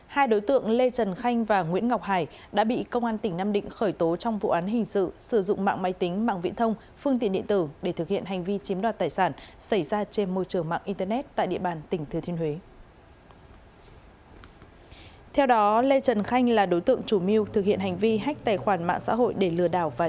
hai đối tượng lê trần khanh và nguyễn ngọc hải đã bị công an tỉnh nam định khởi tố trong vụ án hình sự sử dụng mạng máy tính mạng viễn thông phương tiện điện tử để thực hiện hành vi tài liệu